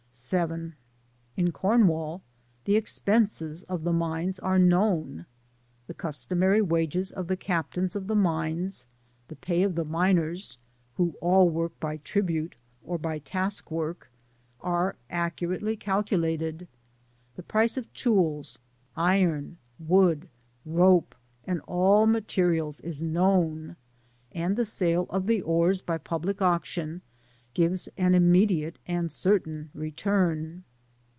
Digitized byGoogk dS6 GENERAL OBSERVATIONS ON 7. In ComwaU, the expenses of the mine are known. The customary wages of the captains of the mities, the pay of the miners, who all work by tribute*, or by tutwork, are accurately calculated; the price of tools, iron, wood, rope, and all materials is known, and the sale of the ores by public auction gives an Immediate and certain return.